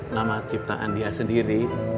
nama ciptaan dia sendiri